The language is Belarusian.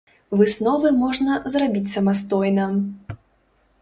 Высновы можна зрабіць самастойна.